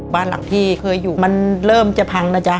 บ้านหลังที่เคยอยู่มันเริ่มจะพังนะจ๊ะ